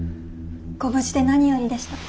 ご無事で何よりでした。